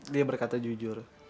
dia berkata jujur